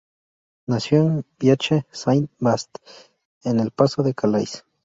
Nació en Biache-Saint-Vaast, en el Paso de Calais.